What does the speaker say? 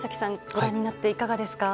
ご覧になっていかがですか。